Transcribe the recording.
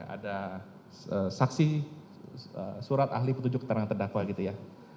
ada saksi surat ahli petunjuk keterangan terdakwa gitu ya